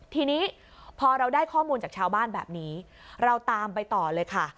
ทีนี้พอเราได้ข้อมูลจากชาวบ้านแบบนี้เราตามไปต่อเลยค่ะ